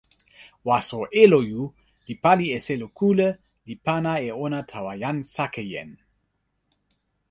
waso Eloju li pali e selo kule li pana e ona tawa jan Sakejen.